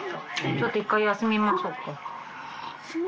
ちょっと一回休みましょうか。